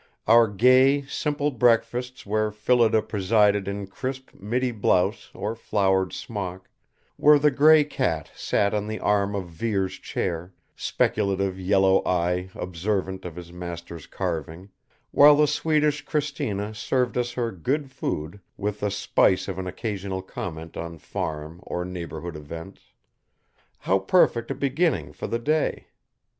Our gay, simple breakfasts where Phillida presided in crisp middy blouse or flowered smock; where the gray cat sat on the arm of Vere's chair, speculative yellow eye observant of his master's carving, while the Swedish Cristina served us her good food with the spice of an occasional comment on farm or neighborhood events how perfect a beginning for the day!